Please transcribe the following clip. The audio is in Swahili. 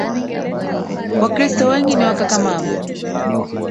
Wakristo wengi ni wakakamavu